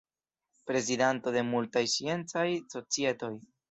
Prezidanto de multaj sciencaj societoj.